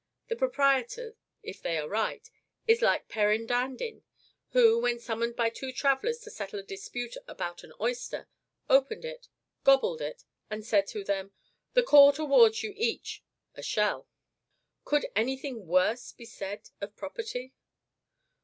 The proprietor, if they are right, is like Perrin Dandin who, when summoned by two travellers to settle a dispute about an oyster, opened it, gobbled it, and said to them: "The Court awards you each a shell." Could any thing worse be said of property?